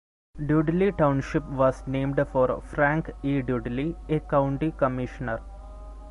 Dudley Township was named for Frank E. Dudley, a county commissioner.